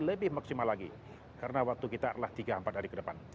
lebih maksimal lagi karena waktu kita adalah tiga empat hari ke depan